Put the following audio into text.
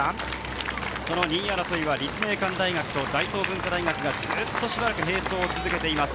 ２位争いは立命館大学と大東文化大学がずっとしばらく並走を続けています。